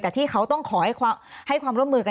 แต่ที่เขาต้องขอให้ความร่วมมือกัน